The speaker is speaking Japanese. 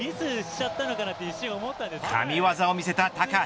神業を見せた高橋。